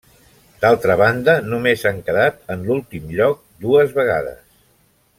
D'altra banda, només han quedat en l'últim lloc dues vegades.